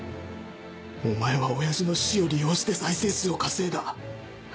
お前は親父の死を利用して再生数を稼いだ。